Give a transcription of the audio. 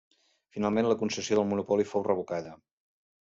Finalment la concessió del monopoli fou revocada.